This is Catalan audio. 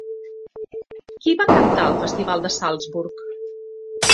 Qui va cantar al Festival de Salzburg?